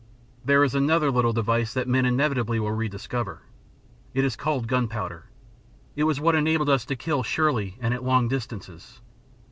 "There is another little device that men inevitably will rediscover. It is called gunpowder. It was what enabled us to kill surely and at long distances.